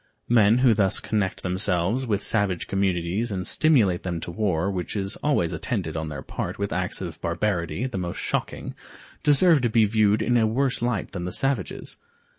Men who thus connect themselves with savage communities and stimulate them to war, which is always attended on their part with acts of barbarity the most shocking, deserve to be viewed in a worse light than the savages.